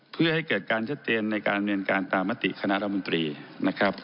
เพื่อให้เกิดการชัดเจนในการดำเนินการตามมติคณะรัฐมนตรีนะครับ